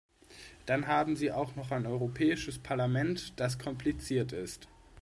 Dann haben sie auch noch ein Europäisches Parlament, das kompliziert ist.